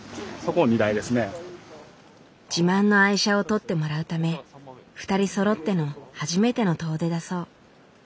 自慢の愛車を撮ってもらうため２人そろっての初めての遠出だそう。